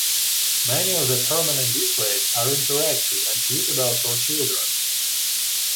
Many of the permanent displays are interactive and suitable for children.